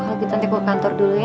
lagi nanti aku ke kantor dulu ya